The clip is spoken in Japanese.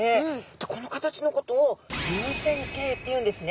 でこの形のことを流線形っていうんですね。